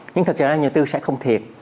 nhưng thật ra nhà đầu tư sẽ không thiệt